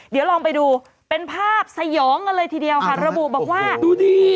เดี๋ยวลองไปดูเป็นภาพสยองกันเลยทีเดียวค่ะระบุบอกว่าดูดี